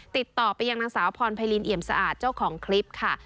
ติดต่อไปยังนางสาวพรไพรินเอี่ยมสะอาดเจ้าของคลิปค่ะ